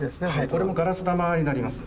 これもガラス玉になります。